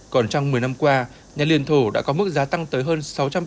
còn trong một mươi năm qua nhà liên thổ đã có mức giá tăng tới hơn sáu trăm ba mươi bảy